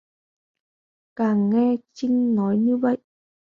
càng nghe chinh nói như vậy